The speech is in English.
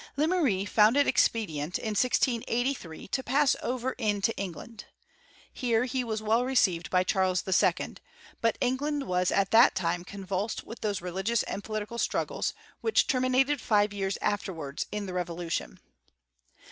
• Lemery found it expedient, in 1683, to pass over into England. Here he was well received by Charles II. : but England was at that time convulsed with those religious and political struggles, which terminated five years afterwards in the revolution.